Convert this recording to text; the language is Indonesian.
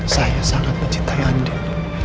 saya sangat mencintai andin